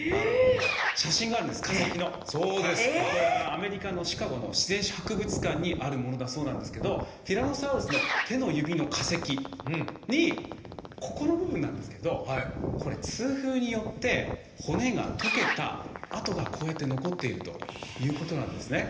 アメリカのシカゴの自然史博物館にあるものだそうなんですけどティラノサウルスの手の指の化石にここの部分なんですけどこれ痛風によって骨が溶けた痕がこうやって残っているということなんですね。